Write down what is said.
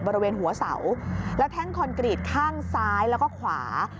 บริเวณหัวเสาแล้วแท่งคอนกรีตข้างซ้ายแล้วก็ขวา